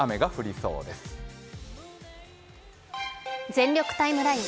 「全力タイムライン」